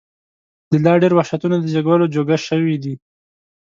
د لا ډېرو وحشتونو د زېږولو جوګه شوي دي.